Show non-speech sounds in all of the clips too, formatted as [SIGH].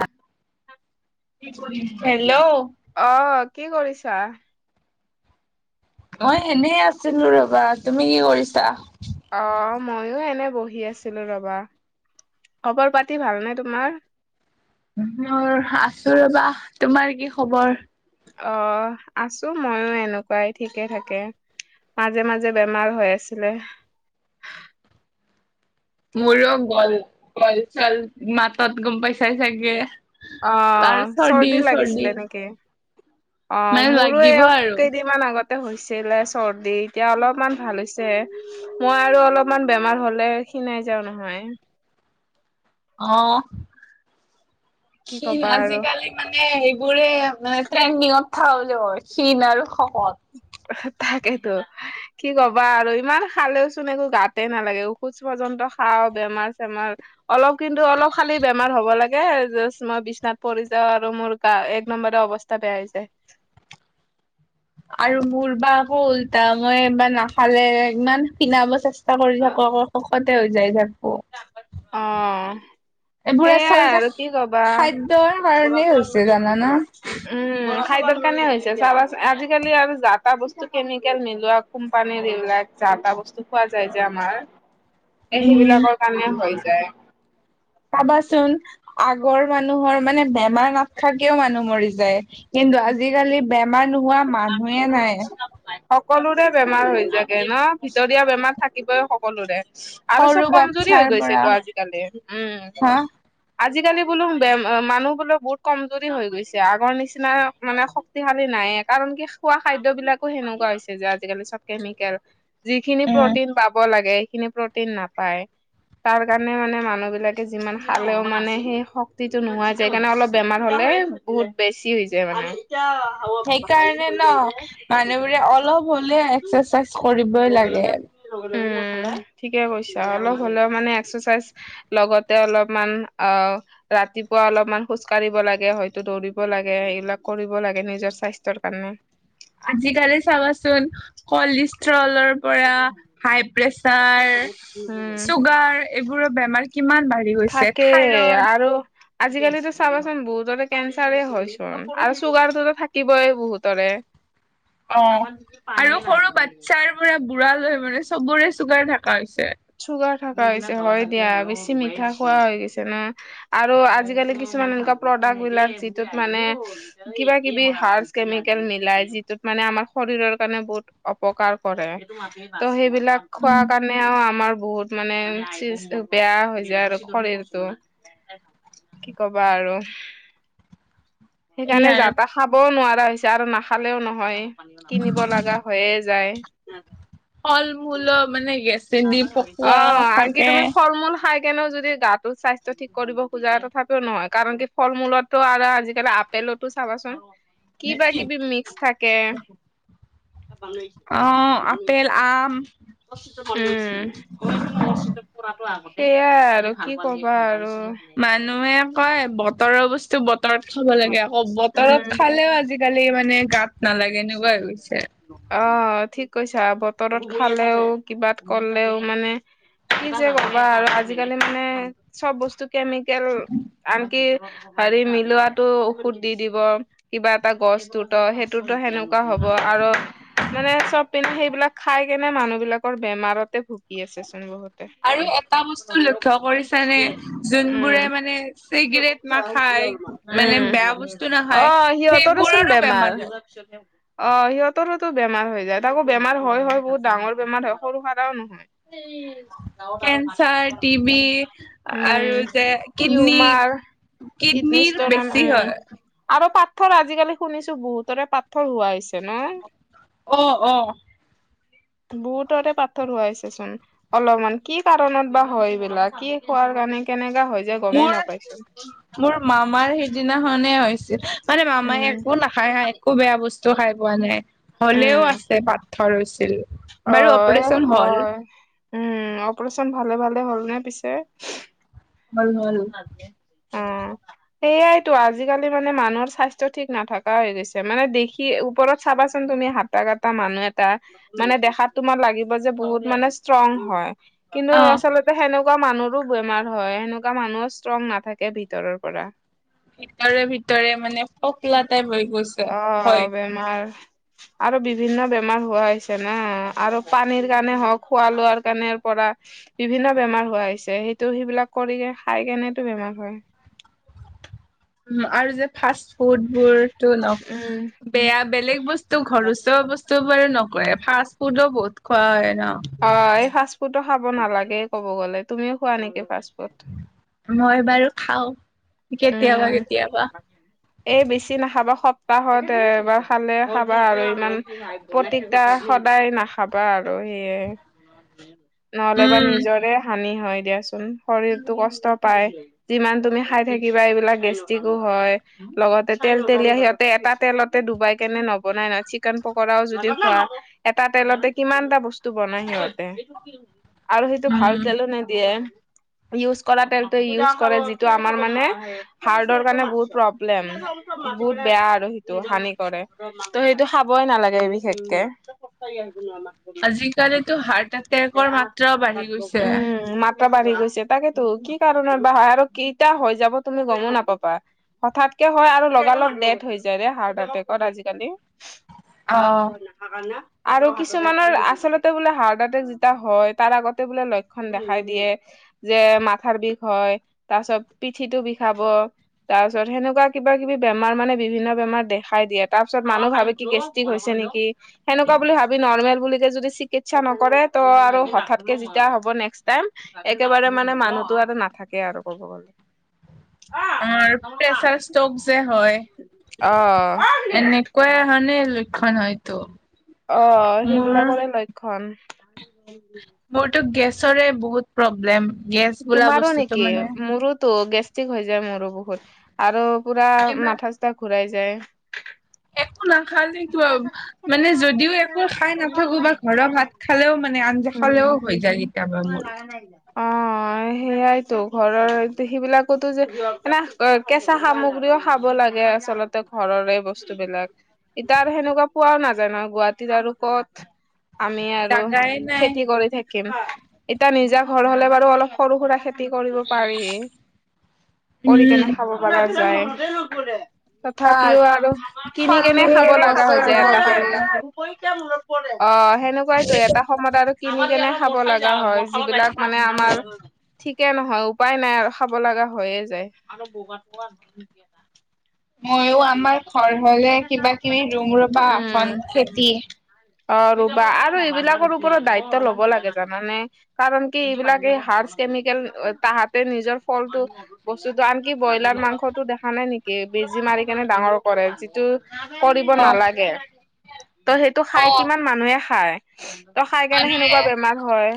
অ hello অ কি কৰিছা মই সেনে আছিলো ৰবা তুমি কি কৰিছা অ মইো এনে বহি আছিলো ৰবা খবৰ পাতি ভালনেে তোমাৰ মোৰ আছো ৰবা তোমাৰ কি খবৰ অ আছো মইো এনেকুৱাই ঠিকে থাকে মাজে মাজে বেমাৰ হৈ আছিলে মোৰো গল গল চল মাতত গম পাইছাই চাগে অ আৰু চৰ্দি চৰ্দিন চৰ্দি লাগিছিলে নেকি অ মানে মোৰো এই লাগিব আৰু কেইদিনমান আগত হৈছিলে চৰ্দি এতিয়া অলপমান ভাল হৈছে মই আৰু অলপমান বেমাৰ হলে খিনাই যাও নহয় অ কি কণ কবা আৰু আজিকালি মানে এইবোৰে মান ট্ৰেণ্ডিঙত থলে ক্ষীণ আৰু শখত তাকেইতো কি কবা আৰু ইমান খালেওচোন একো গাতে নালাগে ওখোজ পৰ্যন্ত খাওঁ বেমাৰ চেমাৰ অলপ কিন্তু অলপ খালি ব আমাৰ হ'ব লাগো মই বি্বনাথ পৰি যা আৰু মোৰ গা এক নম্বৰ অৱস্থা বেয়া হৈ যায় আৰু মোৰ বা হ'ল তাৰ মই বা নাখালে ইমান পিধাব চেষ্টা চাক কৰি থাকো আকৌ সুখতে হৈ যায় থাক অ এইবোৰ সেইয়াই আচলতে আৰু কি কবা খাদ্যৰ কাৰণেই হৈছে জানানা। উম খাইৰ কাৰণে হৈছে চা আজিকালি আৰু য তা বস্তু কেমিকেল মিলোৱা কোম্পানীৰ এইবিলাক যা বস্তু খোৱা যায় যে আমাৰ এ উম, সেইবিলাকৰ কাৰণে হৈ যায় চাবাচোন আগৰ মানুহৰ মানে বেমাৰ নাথখাকেও মানুহ মৰি যায় কিন্তু আজিকালি বেমাৰ নোহোৱা মানুহে নাই সকলোৰে বেমাৰ হৈ যাগে ন ভিতৰীয়া বেমাৰ থাকিবই সকলোৰে আৰু চব সৰু কমজুৰি হৈ বাচ্ছাৰ পৰা গৈছেতো আজিকালি উম হা আজিকালি বোলো বে মানুহ বোলো বহুত কমজুৰি হৈ গৈছে আগৰ নিচিনা মানেক্ত শিশালী নাইয় কাৰণ কি খোৱা খাদ্যবলাকো সেনেকুৱা হৈছে যে আজিকালি চব কেমিকেল যিখিনি উম। প্ৰটিন পাব লাগে সেইখিনি প্ৰটিন নাপায় তাৰ কাৰণে মানে মানুহ বিলাকে যিমান খালেও মানে সেই শক্তিটো নোহাই যায় সেইকাৰণে অলপ বেমাৰ হ'লে বহুত বেছি হৈ যায় মানেতিয়া হ মানুহ বোৰে অলপ হলে এক্াৰচাইজ কৰিব উম, ঠিকে কৈছা অলপ হলেও মানে এক্সাৰচাইজ লগতে অলপমান আহ ৰাতিপুৱা অলপমান খোজ কাঢ়িব লাগে হয়তো দৌৰিব লাগে এইবিলাক কৰিব লাগে নিজৰ স্বাস্থ্যৰ কাৰণে। আজিকালি চাবাচোন কলেষ্ট্ৰলৰ পৰা হাই প্ৰেচাৰ উম চুগাৰ এইবোৰৰ বেমাৰ কিমান বাঢ়। থাকে আৰু আজিকালিতো চাবাচোন বহুতৰে কেঞ্চাৰ হয়ছোন আৰু চুগাৰটোোতো থাকিবই বহুতৰে। [INAUDIBLE] অ' আৰু সৰু বাচ্ছাৰ পৰা বুঢ়া লৈ মানে চবৰে চগাৰ থকা হৈছে। চুগাৰ থকা হৈছে হয় দিয়া বেছি মিঠা খোৱা হৈ গৈছে না। আৰু আজিকালি কিছুমান এনেকুৱা প্ৰডাক্ট বিলাক যিটোত মানে কিবা কিবি হাৰ কেমিকেল মিলাই যিটোত মানে আমাৰ শৰীৰৰ কাৰণে বহুত অপকাৰ কৰে ত' সেইবিলাক খোৱা উম। কাৰণে আৰু আমাৰ বহুত মানে বেয়া হৈ যায় আৰু শৰীৰটো। কি কবা আৰু এই সেইকাৰণে আৰু যাত তা খাবও নোৱাৰা হৈছে আৰু নাখালেও নহয়। কিনিব লগা হৈয়ে যায়। ফল মূল মানে গেছ অ' আকি তুমি ফল মূল খাই কেনেও যদি গাটো স্বাস্থ্য ঠিক কৰিব খোজে তথাপিও নহয় কাৰণ কি ফল মূলতটো আৰু আজিকালি পেলতো চাবাচোন কিবা কিবি মিক্স থাকে অ' আপেল আম। উম' সেইয়াই আৰু কি কবা আৰু মানুহে কয় বতৰৰ বস্তু বতৰত খাব লাগে আকৌ বতৰত উম খালেও আজিালি আজিকালি মানে গাত নালাগে এনেকুৱা হৈ গৈছে। [UNINTELLIGIBLE] অ' ঠিক কৈছা বতৰত খালেও কিবাত কলেও মানে কি যে কবা আৰু আজিকালি মানে চব বস্তু কেমিকেল আনকি হেৰি মিলোৱাাতো ঔষধ দি দিব কিবা এটা গছ ত সেইটোতো সেনেকা এনেুৱা হ'ব আৰু মানে চব পিন্ধ সেইবিলাক খাই কেনে মানুহ বিলাকৰ বেমাৰতে ভুকি আছে চোন বহুত। আৰু এটা বস্তু লক্ষ্য় কৰিছে নে উম যোনবোৰে মানে চিগৰেট নাখায়। মানে বেয়া উম, বস্তু নাখায় অ' সিহঁত দেচোন সেইবোৰৰো বেমাৰ। হয়। অ' সিহঁতৰোতো বেমাৰ হৈ যায় তাকো বেমাৰ হয় হয় বহুত ডাঙৰ বেমাৰ হয় সৰু সৰাও নহয়। কেঞ্চাৰ, টিবি আৰু উম', যে উম' কিডনী উমাৰ কিতনে কিডনীৰ সষ্টন বেছি উম' হয়। আৰু পাথৰ আজিকালি শুনিছো বহুতৰে পাথৰ হোৱা হৈছে ন! অ', অ' বহুততে পাথৰ হুৱাইছে চোন। অলপমান কি কাৰণত বা হয় এইবিলাক কি খোৱাৰ কাৰণে কেনেকা হয় যে গমেই মোৰ নাপাইছো। মোৰ মামাৰ সিদিনাখনে হৈছিল মানে মামাই উম একো নাখায় খা একো বেয়া বস্তু খাই পোৱা নাই হ'লেও উম আছে পাতথৰৈছিল অ বাৰু এ অপাৰেচন হল। হয় উম' অপাৰেচন ভালে ভালে হ'ল নে পিছে? হল হল। উম',। সেইয়াইতো আজিকালি মানে মানুহৰ স্বাস্থ্য ঠিক নাথকা হৈ গৈছে মানে দেখি কি ওপৰত চাবাচোন তুমি হাতা কটা মানুহ এটা মানে দেখাত তোমাৰ লাগিব যে বহুত মানে ষ্ট্ৰং হয়। কিন্তু অ', আচলতে সেনেকুৱা মানুহৰো বেমাৰ হয় সেনেকুৱা মানুহো ষ্ট্ৰং নাথাকে ভিতৰৰ পৰা ভিতৰে ভিতৰে মানে ফকলা টাই হৈ গৈছে হয় আমাৰ আৰু বিভিন্ন বেমাৰ হোৱা হৈছে ন আৰু পানীৰ কাৰণে হওক খোৱা লোৱাৰ কাৰণে পৰা বিভিন্ন বেমাৰ হোৱা আহিছে সেইটো সেইবিলাক কৰি খাই কেনেতো বেমাৰ হয় উ আৰু যে ফাষ্ট ফুড বোৰ টো ন উম বেয়া বেলেগ বস্তু ঘৰচা বস্তু ব বু নকৰে ফাষ্ট ফুডো বহুত খোৱা হয় ন। অ এই ফাষ্টফুডটো খাব নালাগে ক'ব গলে তুমিও খোৱা নেকি ফাষ্টফুড মই বাৰু খাও কেতিয়াবা কে এ বেছি নাখাবা সপ্তাহত এবাৰ খালে খাবা আৰু ইমান প্ৰতিকা সদায় নাখাবা আৰু সেয়ে নহ'লে বা উম নিজৰে হানি হয় দিয়াচোন শৰীৰতটো কষ্ট পায় যিমান তুমি খাই থাকিবা এইবিলাক গেষ্ট্ৰিকো হয় লগতে তেল তেলীয়া সিহঁতে এটা তেলতে ডুবাই কেনে নবনাই নহয় চিকেন পকৰাও যদি খোৱা এটা তেলতে কিমানটা বস্তু বনাই সিহঁতে আৰু সেইটো উম ভাল তেলো নে দিয়ে ইউজ কৰা তেলটো ইউজ কৰে যিটো আমাৰ মানে হাৰ্টৰ কাৰণে বহুত্ ্ম বহুত বেয়া আৰু সেইটো হানি কৰে ত' সেইটো খাবই নালাগে বিশেষকে ন আজিকালিতো হাৰ্ট এটেকৰ মাত্ৰাও বাঢ়ি গৈছে উম, মাত্ৰা বাঢ়ি গৈছে তাকেতো কি কাৰণত বাহ আৰু কেইটা হৈ যাব তুমি গমো নাপা হঠাৎকে হয় আৰু লগালগ নেট হৈ যায় হাৰ্ট এটেকত আজিকালি অ হ ন আৰু কিছুমানৰ আচলতে বোলে হাৰ্ট এটেক যেতিয়া হয় তাৰ আগতে বোলে লক্ষণ দেখাই দিয়ে যে মাথাৰ বিষ হয় তাৰ পিছত পিঠিটো বিষাব তাৰ পিছত সেনেকুৱা কিবা কিবি বেমাৰ মানে বিভিন্ন বেমাৰ দেখাই দিয়ে তাৰ পিছত মানুহ ভাবে কি গেষ্টিক হৈছে নেকি সেনেকুৱা বুলি ভাবি নৰ্মেল বুলিতে যদি চিকিৎসা নকৰে ত' আৰু হঠাৎকে যেতিয়া হ'ব নেক্স টাইম একেবাৰে মানে মানুহতো নাথাকে আৰু ক'ব গলে অ প্ৰেছাৰ ষ্ট্ৰক যে হয় অ এনেকুৱা হয়নে লক্ষণ হয়তো অ মোৰ সেইবিলাকৰে লক্ষণ মোৰতো গেছৰে বহুত প্ৰব্লেম গেছ বোলা তোমাৰো বস্তুটো নেকি মানে মোৰোতো গেষ্ট গেস্টিক হৈ যায় মোৰো বহুত আৰু পুৰা কিবা মাথা চাথা ঘূৰাই যায় একো নাখালে তিব মানে যদিও একো খাই নাথাকো বা ঘৰৰ ভাত খালেও মানে আঞ্জা খালেও হৈ যায় কেতিয়াবা মোৰ নাই অ সেইয়াইতো ঘৰৰ সেই বিলাকতো যে এনে কেঁচা সামগ্ৰীও খাব লাগে আচলতে ঘৰৰে বস্তু বিলাক এতিয়া সেনেকুৱা পোৱাও নাযায় নয় গুৱাহাটীত আৰু কত আমি আৰু জাগাই নাই খেতি কৰি থাকিম এতিয়া নিজা ঘৰ হলে বাৰু অলপ সৰু সুৰা খে খেতি কৰিব পাৰি কৰি উম কেনে খাব পৰা যায় বা তথাপিও আৰু কিনি ফল কেনে খাব মূলৰ লগা গছো হয় যে ৰুব এটা পাৰি। সময়ত ম অ সেনেকুৱাই তো এটা সময়ত আৰু কিনি কেনে খাব লগা হয় যিবিলাক মানে আমাৰ ঠিকে নহয় উপায় নাই আৰু খাব লগা হৈয়ে যায় মইো আমাৰ ঘৰ হলে কিবা কিবি ৰুম ৰুবা উম আসন খেতি অ', ৰুপা আৰু এইবিলাকৰ ওপৰত দায়িত্ব ল'ব লাগে জানানে? কাৰণ কি এইবিলাকে হাৰচ কেমিকেল তাহাতে নিজৰ ফলটো। বস্তুতটো আনকি ব্ৰইলাৰ মাংসটো দেখা নাই নেকি! বেজি মাৰি কেনে ডাঙৰ কৰে যি টো কৰিব অ নালাগে ত' সেইটো খাই, অ কিমান মানুহে খায়। ত' খাই কেনা সেনেকুৱা বেমাৰ হয়।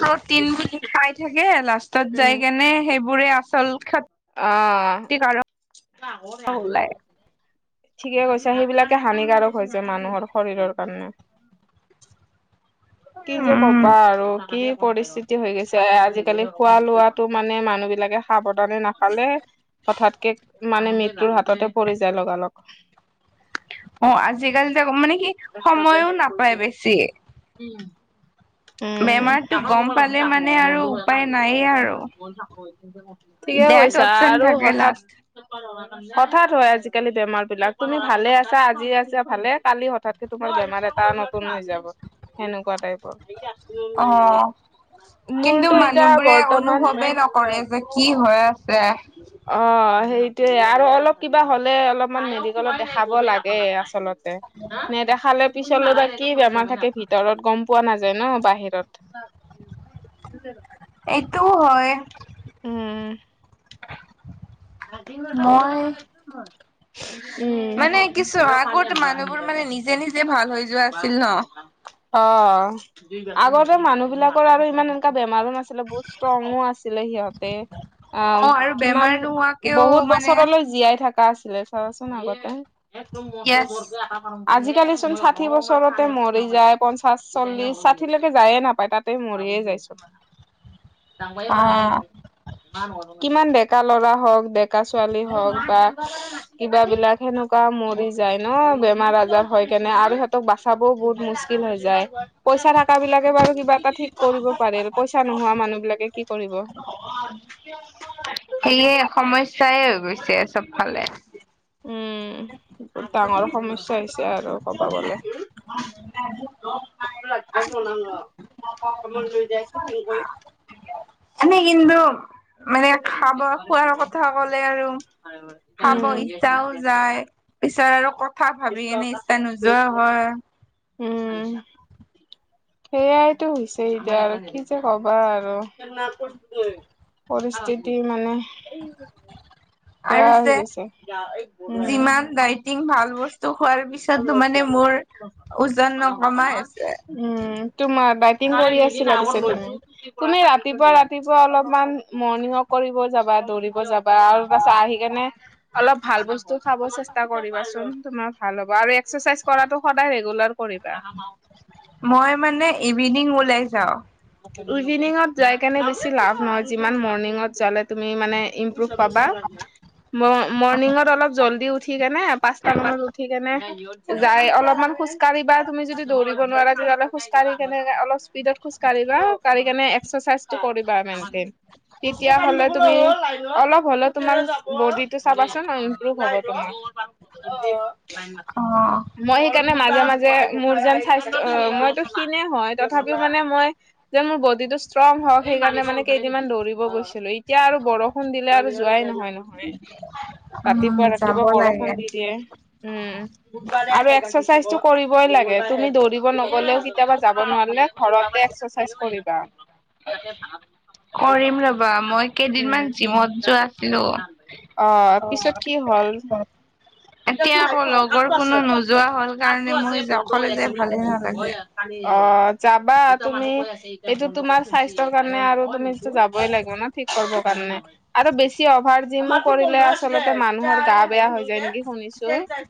সাৰত টিন বুলি খাই থাকে, লাষ্টত উম যাই কেনা সেইবোৰে আচল খাত অ'। ওলাই। ঠিকে কৈছে সেইবিলাকে হানিকাৰক হৈছে মানুহৰ শৰীৰৰ কাৰণে। কি যে উম কবা আৰু কি পৰিস্থিতি হৈ গৈছে আজিকালি খোৱা লোৱাত। তো, মানে মানুহ বিলাকে সাৱধানে নাখালে। হঠাৎকে মানে মৃত্যুৰ হাততে পৰি যায় লগালগ। অ', আজিকালি [UNINTELLIGIBLE] মানে কি সময়ো নাপায় বেছি। উম'। বেমাৰতো গম পালে মানে আৰু উপায় নাইয়ে আৰু। ঠিকে ডেট কৈছা অপচন আৰু থাকে হঠাৎ। লাষ্ট। হঠাৎ হয় আজিকালি বেমাৰ বিলাক, তুমি ভালে আছা, আজি আছা ভালে কালি হাৎ হঠাৎকে তোমাৰ বেমাৰ এটা নতুন হৈ যাব সেনেকুৱা টাইপৰ। অ', কিন্তু মোৰতো এতিয়া মানুহবোৰে অনুভৱেই বৰ্তমান নকৰে যে। কি হৈ আছে। অ', সেইটোৱে আৰু অলপ কিবা হ'লে অলপ। মান মেডিকেলত দেখাব লাগে আচলতে নেদেখালে পিছলৈ বা। কি বেমাৰ থাকে ভিতৰত গম পোৱা নাযায় ন বাহিৰত। এইটো হয়। উম'। মই [INAUDIBLE] উম, মানে কিছু ৰ' পানী আনিব আগতে মানুহবোৰ [UNINTELLIGIBLE] মানে নিজে নিজে ভাল হৈ যোৱা আছিল ন অ', আগতে মানুহ বিলাকৰ আৰু ইমান এনেকা বেমাৰো নাছিলে বুত। ষ্ট্ৰংঙো আছিলে সিহঁতে আ' অ আৰু কিমান বেমাৰ নোহোৱাকেও বহুত মানে বছৰলৈ। জীয়াই থাকা আছিলে চাবাচোন আগতে। য়েছ আজিকালি চোন ষাঠি বছৰতে মৰি যায় পঞ্চাশ, চল্লিশ, ষাঠিলৈকে যায়ে নাপায় তাত। তে' মৰিয়ে যায় চোন। অ কিমান ডেকা ল'ৰা হওঁক। ডেকা ছোৱালী হওঁক বা কিবা বিলাক সেনেকুৱা মৰি যায়। ন, বেমাৰ আজাৰ হয় কেনে আৰু সিহঁতক বাচাবওঁ বহুত মুস্কিল হৈ যায় পইচা থ বিলাকে বাৰু কিবা এটা ঠিক কৰিব পাৰে, পইচা নোহোৱা মানুহ বিলাকে কি কৰিব? সেয়ে সমস্যাই হৈ গৈছে চবফালে। উম' ডাঙৰ সমস্যা হৈছে আৰু কব গ'লে। [INAUDIBLE] এনে কিন্তু। মানে খাব খোৱাৰ কথা কলে আৰু খাব উম ইচ্ছাও যায়। পিছত আৰু কথা ভাবি কেনে ইচ্ছা নোযোৱা হয়। উম'। সেইয়াইতো হৈছে এতিয়া আৰু কি যে কবা আৰু। পৰিস্থিতি মানে। বেয়া আৰু হৈ যে গৈছে উম যিমান দায়ি টিং ভাল বস্তু খোৱাৰ পিছতো মানে মোৰ ওজন নকমা হৈছে। উম', তোমাৰ ডাইটিং কৰি আছিলা পিছে তুমি? কোনে ৰাত ৰাতিপুৱা, ৰাতিপুৱা অলপমান মৰ্ণিং ৱক কৰিব যাবা, দৌৰিব যাবা আৰু পাছত আহি কেনে অলপ ভাল বস্তু খাব চেষ্টা কৰিবাচোন তোমাৰ ভাল হ'ব। আৰু এক্ৰেচাইজ কৰাটো সদায় ৰেগুলাৰ কৰিবা। মই মানে ইভিনিং ওলাই যাওঁ, ইভিনঙত যাই কে বছি লা নহ যিমান মৰ্ণঙতলে তুমি মানে পাবা ম অ', মৰ্ণিঙত অলপ জল্দি উঠি কেনে পাঁচটা মানত উঠি কেনে যাই অলপমান খোজকাঢ় বা তুমি যদি দৌৰিব নোৱা তেতিয়াহলে খোজ কঢ় কেনে অলপ স্পীডত খোজ কঢ় কাঢ়িবা [INAUDIBLE] কৰিবা মেইনকে। তেতিয়া হলে তুমি অলপ হ'লে তোমাৰ বদি চাবাচোন ইম্প্ৰভ হব তম। অ', মই সেইকাৰণে মাজে মাজে মোৰ যেন স্বাস্থ্য অ মইতো কিনেে হয় তথাপিও মানে মই যে মোৰ বডি টো ষ্ট্ৰং হওক সেইকাৰণে মানে কেইদিনমান দৌব গৈছিলোঁ এতিয়া আৰু বৰফ ফোন দিলে আৰু যোৱাই নহয়। [INAUDIBLE] ৰাতিপুৱা যাব ৰাতিপুৱা বৰষুণ লাগে। দি দিয়ে, উম। আৰু এক্সাৰচাইজটো কৰিবই লাগে তুমি দৌৰিব নগলেও কেতিয়াবা যাব নোৱাৰলে ঘৰতে [INAUDIBLE] কৰিবা। কৰিম ৰ'বা মই উম কেইদিনমান জিমত যোৱা আছিলোঁ। অ, পিছত কি হ'ল এতিয়া আকৌ লগৰ কোনো নোযোৱা হল কাৰণে মই য অকলে যে ভালে নালাগে। অ, যাবা তুমি এইটো তোমাৰ স্বাস্থ্যৰ কাৰণে আৰু তুমি যাবই লাগিব ন ঠিক কৰিব কাৰণে। আৰু বেছি অভাৰ জিম কৰিলে আচলতে মানুহৰ গা বেয়া হৈ যায় নেকি শুনিছোঁ।